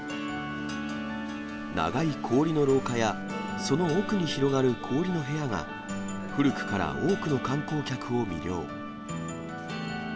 長い氷の廊下や、その奥に広がる氷の部屋が古くから多くの観光客を魅了。